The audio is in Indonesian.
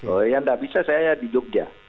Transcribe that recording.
oh ya enggak bisa saya ya di jogja